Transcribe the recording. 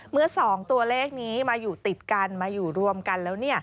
เมื่อ๒ตัวเลขนี้มาอยู่ติดกันมาอยู่รวมกันแล้ว